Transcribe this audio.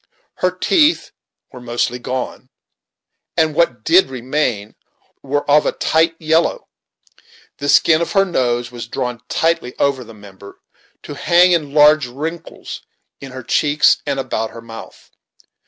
Her teeth were mostly gone, and what did remain were of a tight yellow. The skin of her nose was drawn tightly over the member, to hang in large wrinkles in her cheeks and about her mouth.